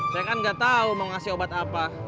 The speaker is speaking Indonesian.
saya kan gak tau mau ngasih obat apa